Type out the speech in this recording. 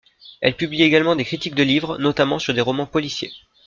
Elle publie également des critiques de livres, notamment sur des romans policiers.